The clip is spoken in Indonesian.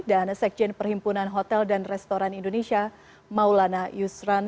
dan sekjen perhimpunan hotel dan restoran indonesia maulana yusran